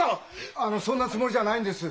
あのそんなつもりじゃないんです。